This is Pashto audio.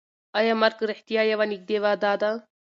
ایا مرګ رښتیا یوه نږدې وعده ده؟